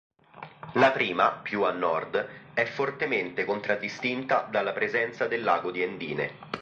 La prima, più a nord, è fortemente contraddistinta dalla presenza del Lago di Endine.